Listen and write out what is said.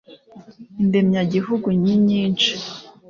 Indemyagihugu ninyishi.